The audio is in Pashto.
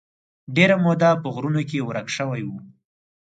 ډېره موده په غرونو کې ورک شوی و.